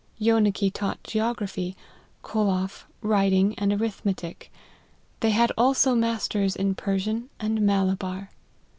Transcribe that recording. Jcenicke taught geography ; Kolhoff, writ ing and arithmetic. They had also masters in Persian and Malabar.